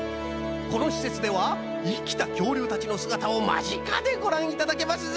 このしせつではいきたきょうりゅうたちのすがたをまぢかでごらんいただけますぞ。